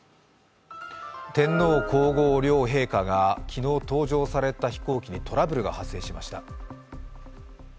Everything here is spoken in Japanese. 天皇皇后両陛下が昨日搭乗された飛行機にトラブルが発生しました。